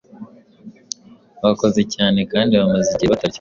bakoze cyane kandi bamaze igihe batarya,